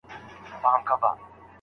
آیا قانون تر دود اړین دی؟